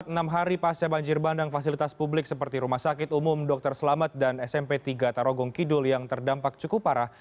enam hari pasca banjir bandang fasilitas publik seperti rumah sakit umum dokter selamat dan smp tiga tarogong kidul yang terdampak cukup parah